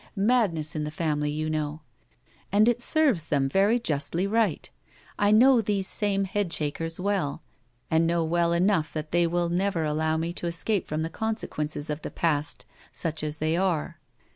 madness in the family, you know.' And it serves them very justly right. I know these same Head shakers well, and know well enough that they will never allow me to escape from the consequences of the past, such as they are.